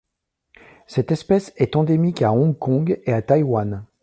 Cette espèce est endémique à Hong Kong et à Taïwan.